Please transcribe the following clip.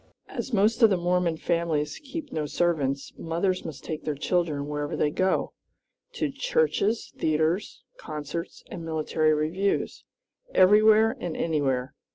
As most of the Mormon families keep no servants, mothers must take their children wherever they go to churches, theatres, concerts, and military reviews everywhere and anywhere.